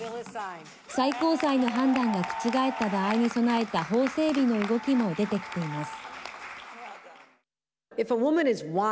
最高裁の判断が覆った場合に備えた法整備の動きも出てきています。